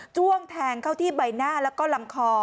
้วงแทงเข้าที่ใบหน้าแล้วก็ลำคอ